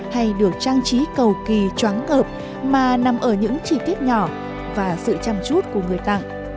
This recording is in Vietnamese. hay được trang trí cầu kỳ choáng ngợp mà nằm ở những chi tiết nhỏ và sự chăm chút của người tặng